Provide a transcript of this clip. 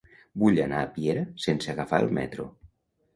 Vull anar a Piera sense agafar el metro.